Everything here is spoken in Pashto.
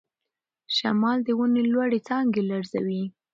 شمال د ونې لوړې څانګې لړزوي.